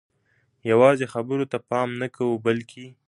یوازې خبرو ته پام نه کوو بلکې